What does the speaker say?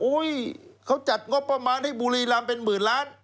เขาจัดงบประมาณให้บุรีรำเป็นหมื่นล้าน